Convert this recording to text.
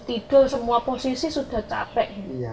tidur semua posisi sudah capek